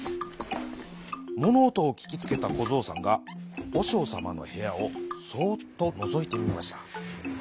ものおとをききつけたこぞうさんがおしょうさまのへやをそうっとのぞいてみました。